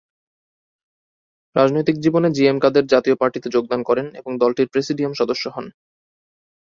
রাজনৈতিক জীবনে জিএম কাদের জাতীয় পার্টিতে যোগদান করেন এবং দলটির প্রেসিডিয়াম সদস্য হন।